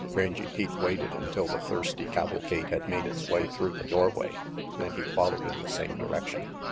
Rangy Pete waited until the thirsty cavalcade had made its way through the doorway, then he followed in the same direction.